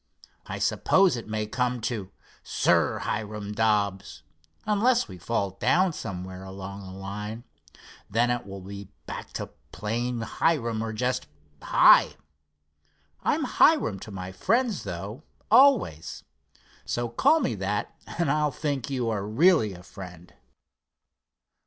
I suppose it may come to 'Sir Hiram Dobbs,' unless we fall down somewhere along the line. Then it will be back to plain Hiram, or just 'Hi.' I'm Hiram to my friends, though, always; so call me that and I'll think you are really a friend."